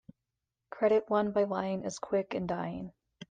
Credit won by lying is quick in dying.